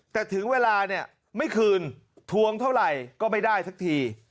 แต่ถึงเวลาเนี่ยไม่คืนทวงเท่าไหร่ก็ไม่ได้สักที